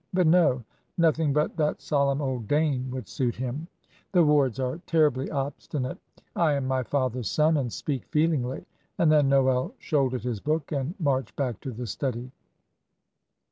But no, nothing but that solemn old Dane would suit him the Wards are terribly obstinate. I am my father's son, and speak feelingly;" and then Noel shouldered his book and marched back to the study.